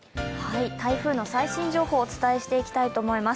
台風の最新情報をお伝えしていきたいと思います。